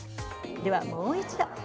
では、もう一度。